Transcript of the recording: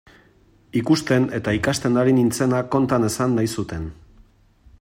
Ikusten eta ikasten ari nintzena konta nezan nahi zuten.